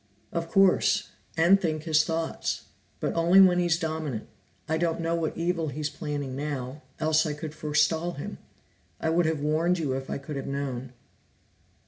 "Of course, and think his thoughts. But only when he's dominant. I don't know what evil he's planning now, else I could forestall him, I would have warned you if I could have known."